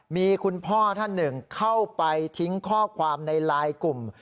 มีคุณพ่อท่านหนึ่งเข้าไปทิ้งข้อความในไลน์กลุ่ม